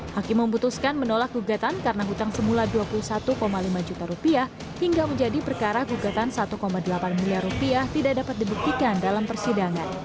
hakim memutuskan menolak gugatan karena hutang semula dua puluh satu lima juta rupiah hingga menjadi perkara gugatan satu delapan miliar rupiah tidak dapat dibuktikan dalam persidangan